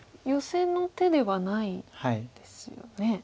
ヨセの手ではないですよね。